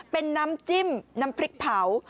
เป็นน้ำจิ้มน้ำพริกเผา